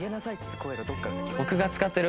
僕が使ってる梅